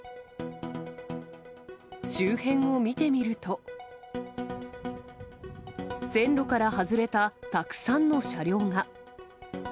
周辺を見てみると、線路から外れたたくさんの車両が。